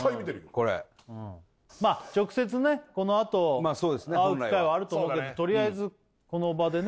まあ直接ねこのあと会う機会はあると思うけどとりあえずこの場でね